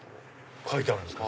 書いてあるんすか？